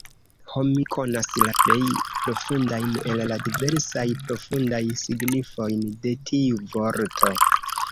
Ho, mi konas la plej profundajn el la diversaj profundaj signifojn de tiu vorto!